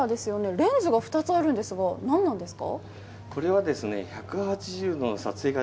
レンズが２つあるんですがなんなんですか？